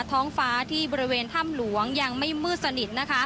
ท้องฟ้าที่บริเวณถ้ำหลวงยังไม่มืดสนิท